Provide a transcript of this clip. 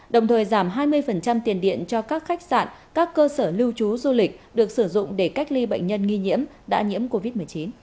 đồng thời giảm hai mươi tiền điện cho các khách sạn các cơ sở lưu trú du lịch được sử dụng để cách ly bệnh nhân nghi nhiễm đã nhiễm covid một mươi chín